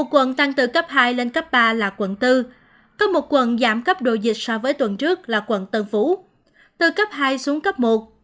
quận tăng từ cấp hai lên cấp ba là quận bốn có một quận giảm cấp độ dịch so với tuần trước là quận tân phú từ cấp hai xuống cấp một